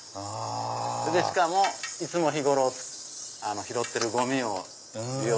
しかもいつも日頃拾ってるゴミを利用して。